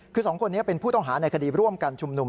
คือสองคนนี้เป็นผู้ต้องหาในคดีร่วมกันชุมนุม